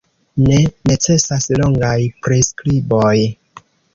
Ne necesas longaj priskriboj.